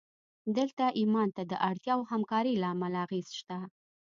دلته ایمان ته د اړتیا او همکارۍ له امله اغېز شته